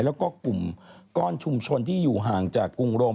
แล้วก็กลุ่มก้อนชุมชนที่อยู่ห่างจากกรุงโรม